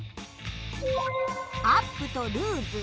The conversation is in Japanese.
アップとルーズ。